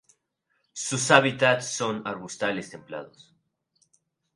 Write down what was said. Sus hábitats son arbustales templados.